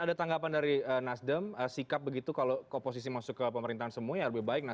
ada tanggapan dari nasdem sikap begitu kalau oposisi masuk ke pemerintahan semua ya lebih baik